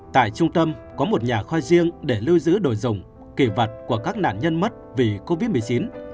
tại trung tâm có một nhà kho riêng để lưu giữ đồ dùng kỳ vật của các nạn nhân mất vì covid một mươi chín